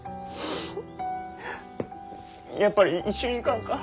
やっぱり一緒に行かんか？